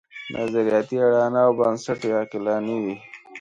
نظریاتي اډانه او بنسټ یې عقلاني وي.